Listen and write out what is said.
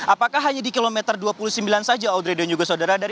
apakah hanya di kilometer dua puluh sembilan saja audrey dan juga saudara